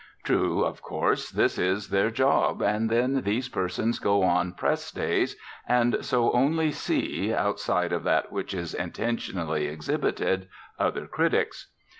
True, of course, this is their job, and then, these persons go on press days and so only see, outside of that which is intentionally exhibited, other critics.